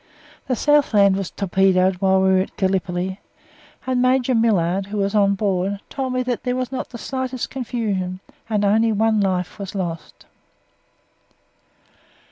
The Southland was torpedoed while we were in Gallipoli, and Major Millard (who was on board) told me that there was not the slightest confusion, and only one life was lost.